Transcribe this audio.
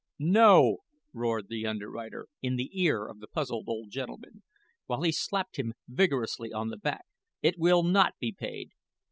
"No," roared the underwriter, in the ear of the puzzled old gentleman; while he slapped him vigorously on the back; "it will not be paid.